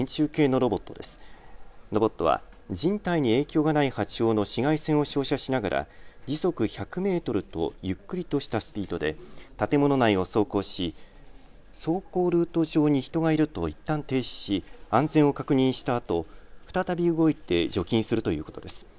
ロボットは人体に影響がない波長の紫外線を照射しながら時速１００メートルとゆっくりとしたスピードで建物内を走行し走行ルート上に人がいるといったん停止し安全を確認したあと再び動いて除菌するということです。